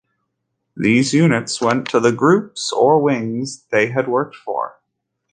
These units went to the groups or wings they had worked for.